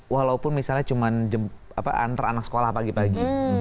walaupun misalnya cuma antar anak sekolah pagi pagi